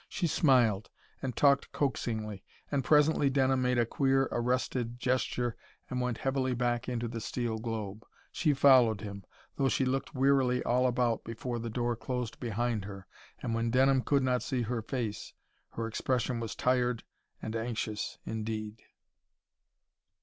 She smiled, and talked coaxingly, and presently Denham made a queer, arrested gesture and went heavily back into the steel globe. She followed him, though she looked wearily all about before the door closed behind her, and when Denham could not see her face, her expression was tired and anxious indeed.